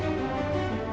uang dan uang